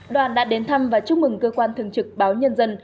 đoàn đã đến thăm và chúc mừng cơ quan thường trực báo nhân dân